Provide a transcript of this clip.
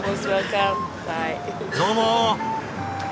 どうも。